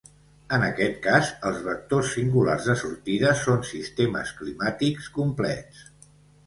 En aquest cas, els vectors singulars de sortida són sistemes climàtics complets.